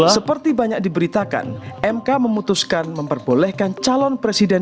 seperti banyak diberitakan mk memutuskan memperbolehkan calon presiden